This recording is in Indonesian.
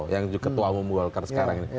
yang ketua umum golkar sekarang ini